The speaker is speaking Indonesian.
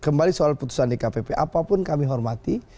kembali soal keputusan di kpb apapun kami hormati